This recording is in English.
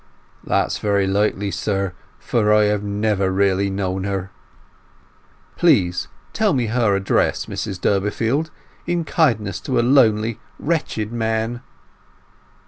"That's very likely, sir; for I have never really known her." "Please tell me her address, Mrs Durbeyfield, in kindness to a lonely wretched man!"